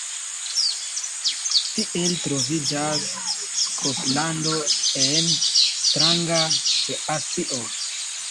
Tiel troviĝas Skotlando en stranga situacio.